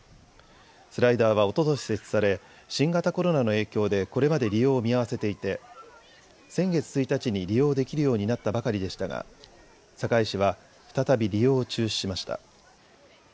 スライダーはおととし設置され新型コロナの影響でこれまで利用を見合わせていて先月１日に利用できるようになったばかりでしたが堺市は再び利用を中止しました。